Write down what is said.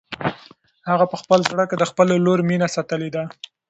هغه په خپل زړه کې د خپلې لور مینه ساتلې ده.